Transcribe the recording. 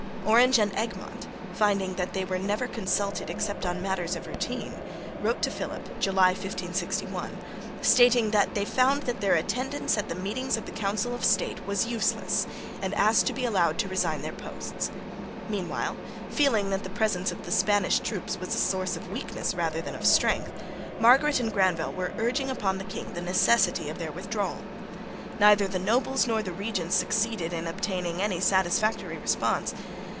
Orange and Egmont, finding that they were never consulted except on matters of routine, wrote to Philip (July, 1561) stating that they found that their attendance at the meetings of the Council of State was useless and asked to be allowed to resign their posts. Meanwhile, feeling that the presence of the Spanish troops was a source of weakness rather than of strength, Margaret and Granvelle were urging upon the king the necessity of their withdrawal. Neither the nobles nor the regent succeeded in obtaining any satisfactory response.